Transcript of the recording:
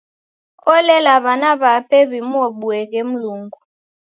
Olela w'ana w'ape w'imuobuoghe Mlungu.